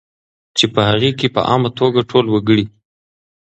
چې په هغې کې په عامه توګه ټول وګړي